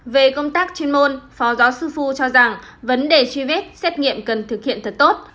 về công tác chuyên môn phó giáo sư phu cho rằng vấn đề truy vết xét nghiệm cần thực hiện thật tốt